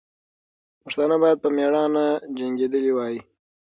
پښتانه باید په میړانه جنګېدلي وای.